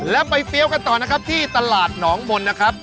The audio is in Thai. แล้วไปเฟี้ยวกันต่อนะครับที่ตลาดหนองมนต์นะครับ